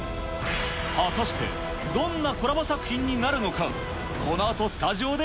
果たして、どんなコラボ作品になるのか。